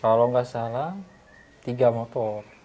kalau nggak salah tiga motor